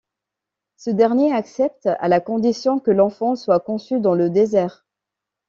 Ce dernier accepte à la condition que l'enfant soit conçu dans le désert.